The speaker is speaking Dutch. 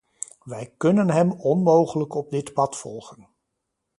Wij kunnen hem onmogelijk op dit pad volgen.